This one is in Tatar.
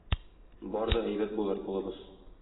Бар да әйбәт булыр, улыбыз!